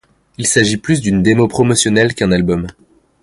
Il s'agit plus d'une démo promotionnelle qu'un album.